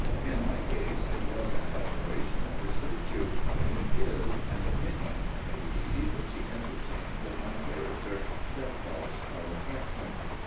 In my case it was an admiration of his virtue, in his an opinion, may be, which he entertained of my character, that caused our affection.